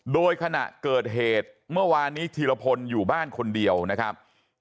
โดยขณะเกิดเหตุเมื่อวานนี้ธีรพลอยู่บ้านคนเดียวนะครับ